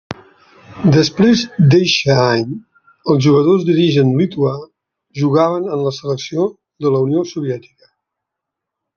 Després d'eixe any, els jugadors d'origen lituà jugaven en la Selecció de la Unió Soviètica.